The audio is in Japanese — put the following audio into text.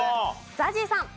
ＺＡＺＹさん。